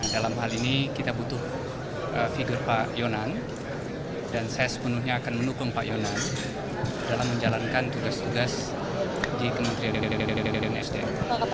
dalam hal ini kita butuh figur pak yonan dan saya sepenuhnya akan mendukung pak yonan dalam menjalankan tugas tugas di kementerian sdm